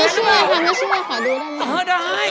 ช่วยค่ะไม่ช่วยขอดูได้ไหม